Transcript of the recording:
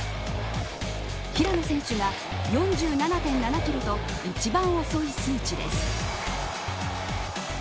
平野選手が４７．７キロと一番遅い数値です。